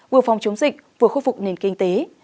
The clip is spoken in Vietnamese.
vừa phòng chống dịch vừa khôi phục nền kinh tế